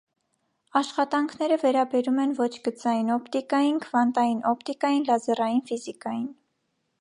Աշխատանքները վերաբերում են ոչ գծային օպտիկային, քվանտային օպտիկային, լազերային ֆիզիկային։